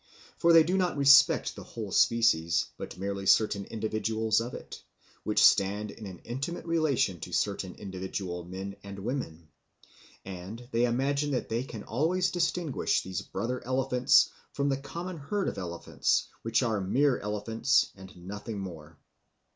For they do not respect the whole species but merely certain individuals of it, which stand in an intimate relation to certain individual men and women; and they imagine that they can always distinguish these brother elephants from the common herd of elephants which are mere elephants and nothing more.